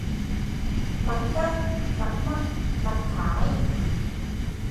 麥兜，麥嘜，麥太